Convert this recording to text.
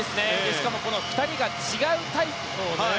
しかも２人が違うタイプの泳ぎ。